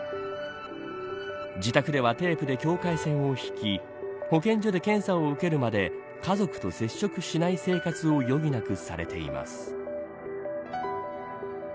自宅ではテープで境界線を引き保健所で検査を受けるまで家族と接触しない生活を余儀なくされています。